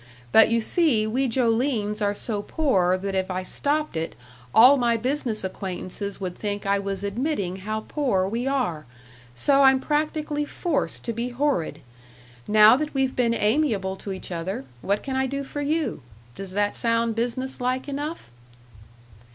But you see we Jolines are so poor that if I stopped it all my business acquaintances would think I was admitting how poor we are, so I'm practically forced to be horrid. Now that we've been amiable to each other, what can I do for you?... Does that sound business like enough?"